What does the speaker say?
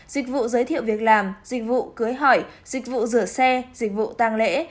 dịch vụ giới thiệu việc làm dịch vụ cưới hỏi dịch vụ rửa xe dịch vụ tăng lễ